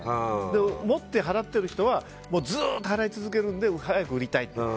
でも、持って払ってる人はずっと払い続けるので早く売りたいっていう。